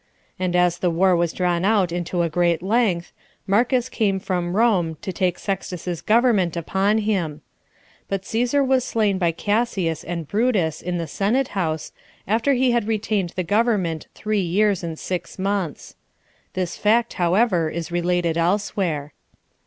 And as the war was drawn out into a great length, Marcus 21 came from Rome to take Sextus's government upon him. But Cæsar was slain by Cassius and Brutus in the senate house, after he had retained the government three years and six months. This fact however, is related elsewhere.